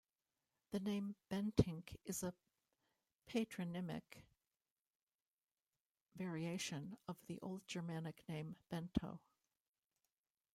The name Bentinck is a patronymic variation of the Old Germanic name Bento.